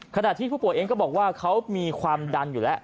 ขณะที่ผู้ป่วยเองก็บอกว่าเขามีความดันอยู่แล้ว